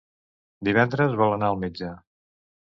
Divendres vol anar al metge.